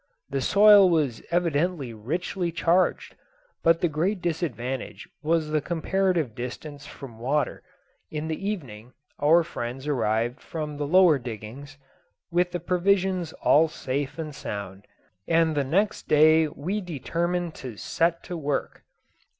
The soil was evidently richly charged; but the great disadvantage was the comparative distance from water, in the evening our friends arrived from the lower diggings, with the provisions all safe and sound, and the next day we determined to set to work.